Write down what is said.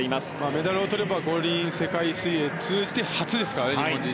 メダルをとれば五輪、世界水泳を通じて初ですから、日本人。